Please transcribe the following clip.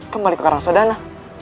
kembali ke karangsadana